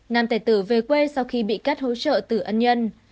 nam tài tử về quê sau khi bị cắt hỗ trợ từ ân nhân